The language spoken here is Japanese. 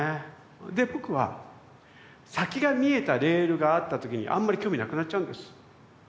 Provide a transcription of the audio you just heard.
で僕は先が見えたレールがあった時にあんまり興味なくなっちゃうんです。